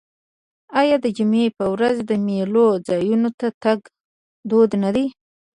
آیا د جمعې په ورځ د میلو ځایونو ته تګ دود نه دی؟